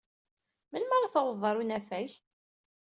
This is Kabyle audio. Melmi ara tawḍed ɣer unafag?